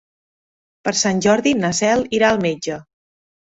Per Sant Jordi na Cel irà al metge.